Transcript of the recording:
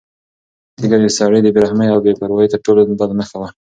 تیږه د سړي د بې رحمۍ او بې پروایۍ تر ټولو بده نښه وه.